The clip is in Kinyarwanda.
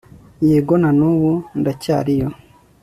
yego, na nubu ndacyariyo